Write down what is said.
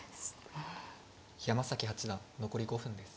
山崎八段残り５分です。